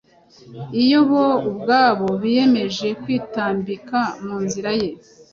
iyo bo ubwabo biyemeje kwitambika mu nzira ye